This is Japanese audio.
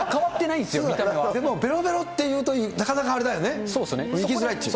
べろべろっていうと、なかなかあれだよね、行きづらいっていう。